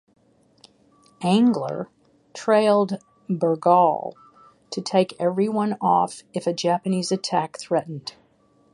"Angler" trailed "Bergall" to take everyone off if a Japanese attack threatened.